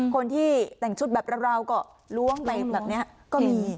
คนที่แต่งชุดแบบราวก็ล้วงไปแบบนี้ก็มี